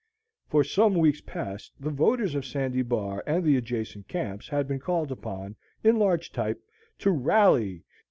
For some weeks past, the voters of Sandy Bar and the adjacent camps had been called upon, in large type, to "RALLY!"